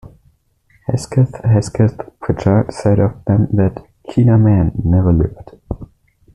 Hesketh Hesketh-Prichard said of them that "keener men never lived".